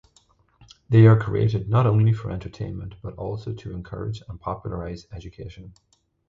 They are created not only for entertainment, but also to encourage and popularize education.